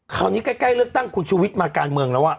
เขานี้ใกล้แล้วตั้งคุณชุวิตมาการเมืองแล้ววะ